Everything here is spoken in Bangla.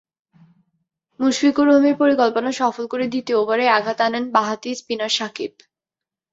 মুশফিকুর রহিমের পরিকল্পনা সফল করে দ্বিতীয় ওভারেই আঘাত আনেন বাঁহাতি স্পিনার সাকিব।